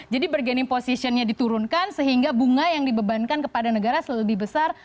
jadi bergeni positionnya diturunkan sehingga bunga yang dibebankan kepada negara selalu lebih besar